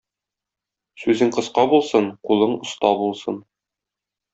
Сүзең кыска булсын, кулың оста булсын!